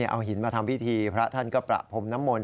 เอาหินมาทำพิธีพระท่านก็ประพรมน้ำมนต